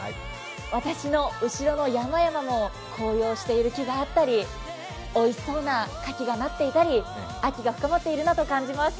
私の後ろの山々も紅葉している木があったり、おいしそうな柿がなっていたり秋が深まっているなと感じます。